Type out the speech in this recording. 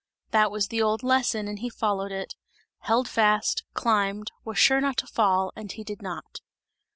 That was the old lesson, and he followed it; held fast, climbed, was sure not to fall and he did not.